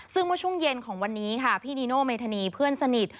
ซึ่งในช่วงเย็นของวันนี้พี่นิโน่เมธานีเพื่อนสนิท